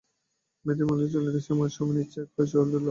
মেয়েদের মজলিশ চলিতেছে, এমন সময় নিচে এক হৈ চৈ উঠিল।